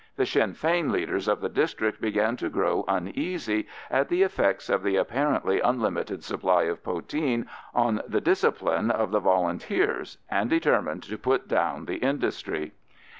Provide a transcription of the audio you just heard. The Sinn Fein leaders of the district began to grow uneasy at the effects of the apparently unlimited supply of poteen on the discipline of the Volunteers, and determined to put down the industry.